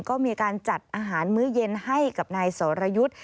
ก็มีการจัดอาหารมื้อเย็นให้กับนายสรยุทธ์